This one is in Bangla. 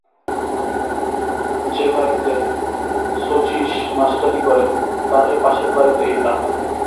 যে বাড়িতে শচীশ মাস্টারি করে তারই পাশের বাড়িতে এই কাণ্ড।